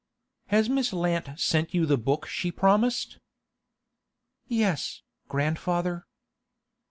'Has Miss Lant sent you the book she promised?' 'Yes, grandfather.